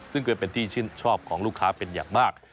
ซึ่งก็เป็นที่ชื่นชอบของลูกค้าเป็นอย่างมาก